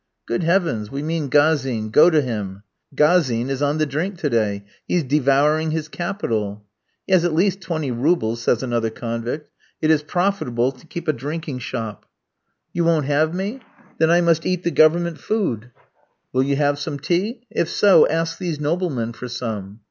"Good heavens! we mean Gazin; go to him." "Gazin is on the drink to day, he's devouring his capital." "He has at least twenty roubles," says another convict. "It is profitable to keep a drinking shop." "You won't have me? Then I must eat the Government food." "Will you have some tea? If so, ask these noblemen for some."